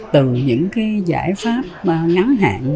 từ những cái giải pháp ngắn hạn